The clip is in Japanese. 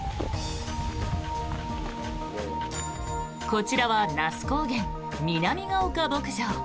こちらは那須高原南ヶ丘牧場。